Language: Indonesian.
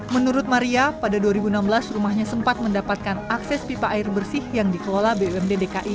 menurut maria pada dua ribu enam belas rumahnya sempat mendapatkan akses pipa air bersih yang dikelola bumd dki